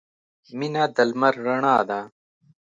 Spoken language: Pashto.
• مینه د لمر رڼا ده.